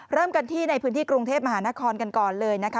เริ่มกันที่ในพื้นที่กรุงเทพมหานครกันก่อนเลยนะคะ